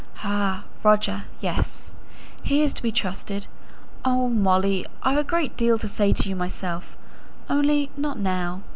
"Ah, Roger! yes. He is to be trusted. Oh, Molly! I've a great deal to say to you myself, only not now.